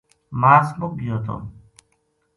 ماس مُک گیو تھو